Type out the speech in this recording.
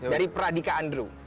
dari pradika andrew